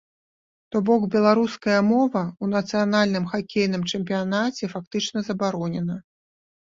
То бок беларуская мова ў нацыянальным хакейным чэмпіянаце фактычна забаронена.